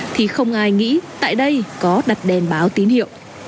thì không ai nghĩ tại đây có đặt đèn báo tín hiệu